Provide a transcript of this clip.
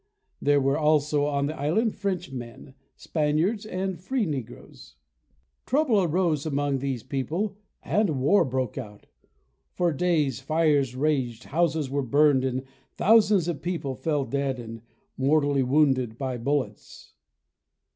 There were also on the island French men, Spaniards and free Negroes. Trouble arose among these people and war broke out. For days fires raged, houses were burned and thousands of people fell dead and mortally wounded by bullets.